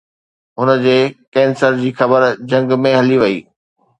هن جي ڪينسر جي خبر جهنگ ۾ هلي وئي